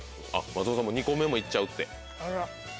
松本さんも２個目も行っちゃうって。